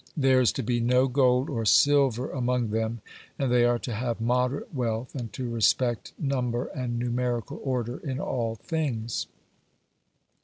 There is to be no gold or silver among them, and they are to have moderate wealth, and to respect number and numerical order in all things.